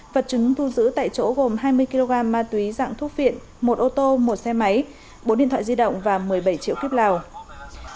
vật chứng thu giữ tại chỗ gồm hai mươi kg ma túy dạng thuốc viện một ô tô một xe máy bốn điện thoại di động và một mươi bảy triệu kíp lào